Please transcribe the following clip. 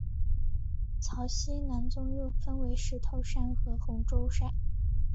曹溪南宗又分为石头禅和洪州禅。